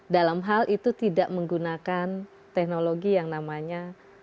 dalam hal itu tidak menggunakan teknologi yang namanya